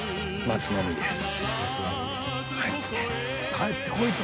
かえってこいと！